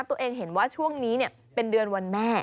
ตัวเองเห็นว่าช่วงนี้เป็นเดือนวันแม่